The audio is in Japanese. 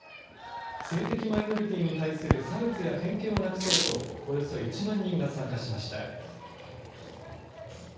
性的マイノリティーに対する差別や偏見をなくそうと、およそ１万人が参加しました。